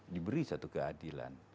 diberi satu keadilan